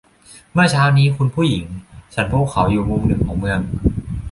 เมื่อเช้านี้คุณผู้หญิง ฉันพบเขาอยู่มุมหนึ่งของเมือง